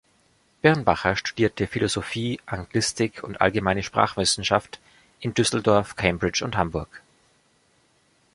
Birnbacher studierte Philosophie, Anglistik und Allgemeine Sprachwissenschaft in Düsseldorf, Cambridge und Hamburg.